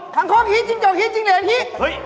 ทางคลกฮีจิ้งจกฮีจิ้งเหรียญฮี